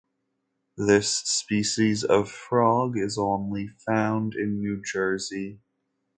This species of frog is only found in New Jersey.